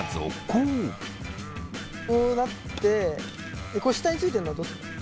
こうなって下についてるのはどうするの？